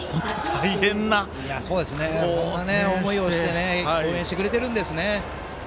大変な思いをして応援してくれているんですね。